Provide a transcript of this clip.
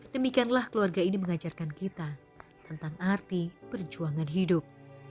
demikianlah keluarga ini mengajarkan kita tentang arti perjuangan hidup